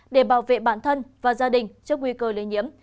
để bảo vệ bản thân và gia đình trước nguy cơ lây nhiễm